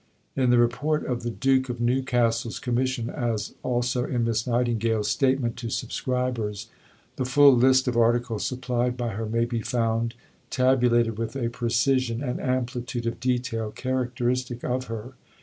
" In the Report of the Duke of Newcastle's Commission, as also in Miss Nightingale's Statement to Subscribers, the full list of articles supplied by her may be found, tabulated with a precision and amplitude of detail characteristic of her.